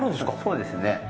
そうですね。